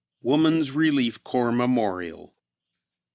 WOMAN'S RELIEF CORPS MEMORIAL.